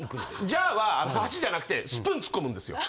ジャーは箸じゃなくてスプーン突っ込むんですよ。